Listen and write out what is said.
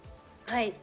はい。